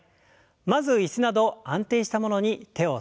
まず椅子など安定したものに手を添えましょう。